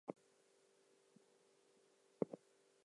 Marstons then dropped their renaming.